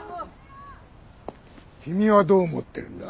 君はどう思ってるんだ？